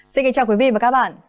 xin kính chào quý vị và các bạn